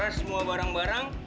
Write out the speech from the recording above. hanya semua barang barang